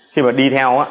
khi mà đi theo